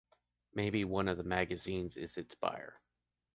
Maybe one of the magazines is its buyer